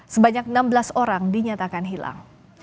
sebanyak enam belas orang dinyatakan hilang